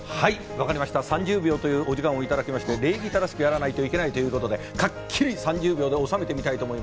３０秒というお時間をいただきまして、礼儀正しくやらないといけないということで、かっきり３０秒で収めます。